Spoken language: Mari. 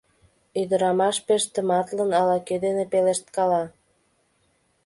Ӱдырамаш пеш тыматлын ала-кӧ дене пелешткала.